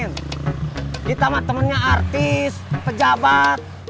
nen kita sama temennya artis pejabat